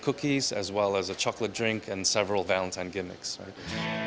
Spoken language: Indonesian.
juga minuman coklat dan beberapa gimmick valentine